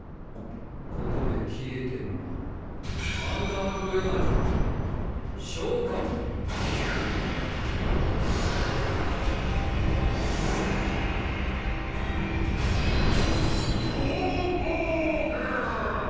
ここで消えてもらうアンダーグ・エナジー召喚キョーボーグ！